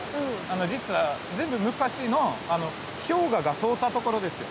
実は随分昔の氷河が通ったところですよ。